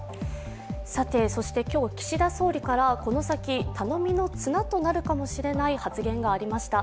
そして今日、岸田総理からこの先頼みの綱となる発言がありました。